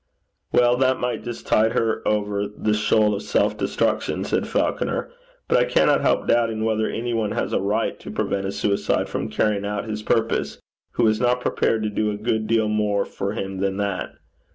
'Well, that might just tide her over the shoal of self destruction,' said Falconer. 'But I cannot help doubting whether any one has a right to prevent a suicide from carrying out his purpose, who is not prepared to do a good deal more for him than that.